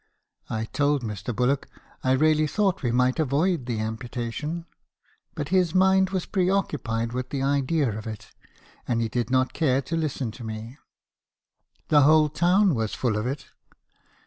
"I told Mr. Bullock, I really thought we might avoid the me. habeison's confessions. 283 amputation; but his mind was pre occupied with the idea of it, and he did not care to listen to me. The whole town was full of it.